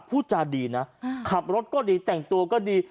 พูดจาดีนะขับรถก็ดีแต่งตัวก็ดี